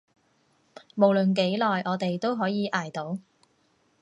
無論幾耐，我哋都可以捱到